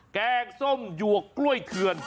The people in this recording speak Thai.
แกงส้มหยวกกล้วยเถือน